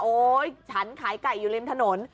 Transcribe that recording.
ฉันขายไก่อยู่ริมถนน